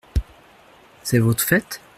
C’est votre fête ?